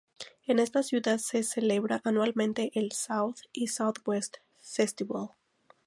En esta ciudad se celebra anualmente el South by Southwest Festival.